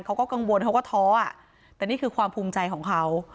เขาก็กังวลเขาก็ท้อแต่นี่คือความภูมิใจของเขา